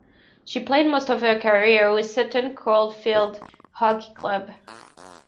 She played most of her career with Sutton Coldfield Hockey Club.